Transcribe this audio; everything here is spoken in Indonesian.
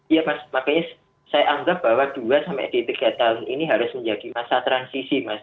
iya mas makanya saya anggap bahwa dua tiga tahun ini harus menjadi masa transisi mas